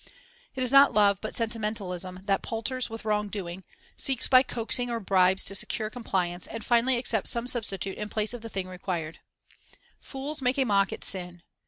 It is not love but sentimentalism that palters with wrong doing, seeks by coaxing or bribes to secure compliance, and finally accepts some substitute in place of the thing required. Discipline 291 "Fools make a mock at sin."